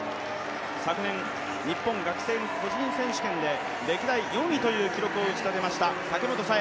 昨年日本学生個人選手権で歴代４位という記録を打ち立てました、武本紗栄。